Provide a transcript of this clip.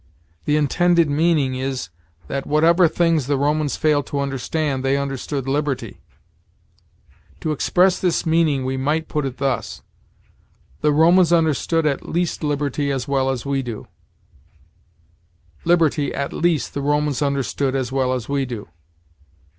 The intended meaning is, 'that whatever things the Romans failed to understand, they understood liberty.' To express this meaning we might put it thus: 'The Romans understood at least liberty as well as we do'; 'liberty, at least, the Romans understood as well as we do.'